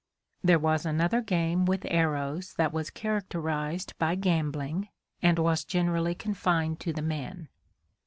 There was another game with arrows that was characterized by gambling, and was generally confined to the men.